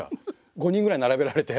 ５人ぐらい並べられて。